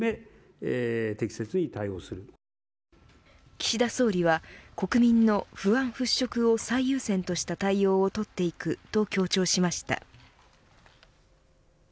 岸田総理は国民の不安払拭を最優先とした対応を取っていくと強調しました。